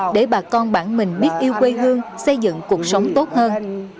để bà con bản mình biết yêu quê hương xây dựng cuộc sống tốt hơn